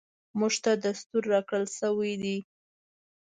موږ ته دستور راکړل شوی دی .